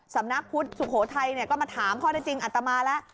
สำนักพุทธสุโขทัยก็มาถามข้อได้จริงอัตมาแล้ว